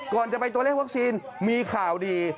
ก่อนจะไปตัวเลขวัคซีนมีข่าวดี